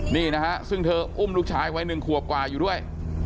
นี่นะฮะซึ่งเธออุ้มลูกชายไว้๑ขวบกว่าอยู่ด้วย